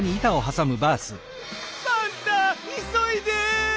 パンタいそいで！